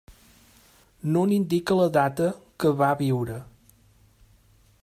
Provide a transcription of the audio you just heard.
No n'indica la data que va viure.